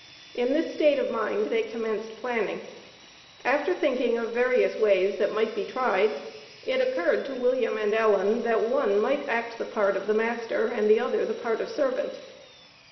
In this state of mind they commenced planning. After thinking of various ways that might be tried, it occurred to William and Ellen, that one might act the part of master and the other the part of servant.